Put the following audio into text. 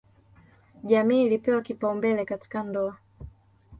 Jamii ilipewa kipaumbele katika ndoa.